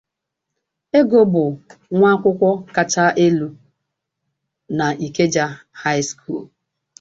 Ego bụ nwa akwụkwọ kacha elu na Ikeja High School.